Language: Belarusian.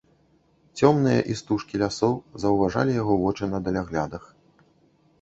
Цёмныя істужкі лясоў заўважалі яго вочы на даляглядах.